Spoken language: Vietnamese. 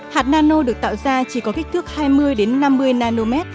hạt nano được tạo ra chỉ có kích thước hai mươi năm mươi nm